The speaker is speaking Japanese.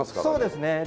そうですね。